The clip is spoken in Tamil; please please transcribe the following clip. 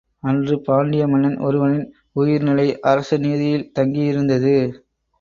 அன்று, பாண்டிய மன்னன் ஒருவனின் உயிர்நிலை அரச நீதியில் தங்கியிருந்தது.